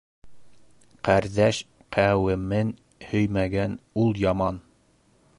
Ҡәрҙәш-ҡәүемен һөймәгән ул яман.